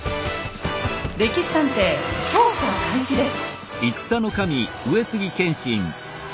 「歴史探偵」調査開始です。